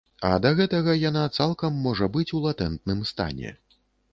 А да гэтага яна цалкам можа быць у латэнтным стане.